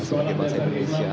sebagai bahasa indonesia